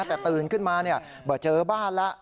แต่ตื่นขึ้นมาเนี่ยเบาะเจอบ้านละ